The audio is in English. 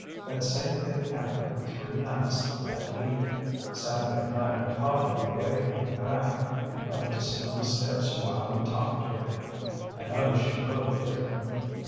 That same thing happened for three nights that week. Saturday night I caught her on the way coming back, and got to sit on the steps a while and talk to her. I noticed she looked different.